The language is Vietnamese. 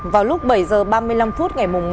vào lúc bảy h ba mươi năm phút ngày một mươi